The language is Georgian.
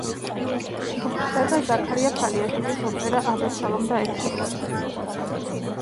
გვხვდება ზაქარია ფალიაშვილის ოპერა „აბესალომ და ეთერში“.